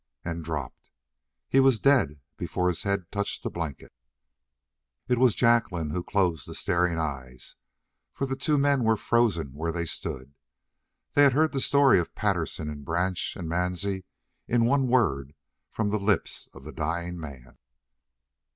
and dropped. He was dead before his head touched the blanket. It was Jacqueline who closed the staring eyes, for the two men were frozen where they stood. They had heard the story of Patterson and Branch and Mansie in one word from the lips of the dying man.